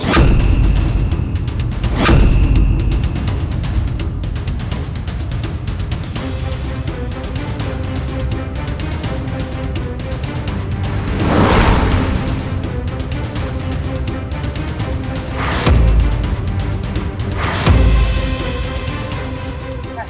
kami akan menangis